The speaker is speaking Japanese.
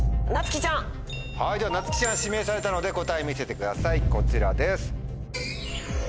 ではなつきちゃん指名されたので答え見せてくださいこちらです。